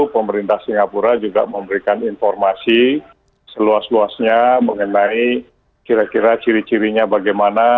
pemerintah singapura juga memberikan informasi seluas luasnya mengenai kira kira ciri cirinya bagaimana